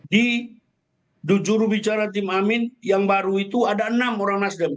di jurubicara tim amin yang baru itu ada enam orang nasdem